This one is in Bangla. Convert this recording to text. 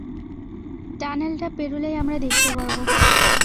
টানেলটা পেরোলেই আমরা দেখতে পারবো।